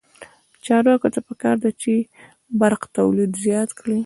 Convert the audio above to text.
چارواکو ته پکار ده چې، برق تولید زیات کړي.